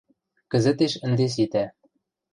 Кӹзӹтеш ӹнде ситӓ.